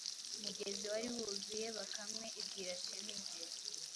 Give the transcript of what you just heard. mugezi wari wuzuye. Bakame ibwira Shema iti: “